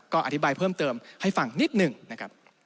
ก็อธิบายเพิ่มเติมให้ฟังนิดหนึ่งนะครับ